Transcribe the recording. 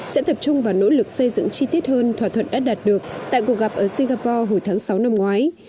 sẽ tập trung vào nỗ lực xây dựng chi tiết hơn thỏa thuận đã đạt được tại cuộc gặp ở singapore hồi tháng sáu năm ngoái